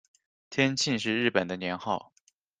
天庆是日本的年号。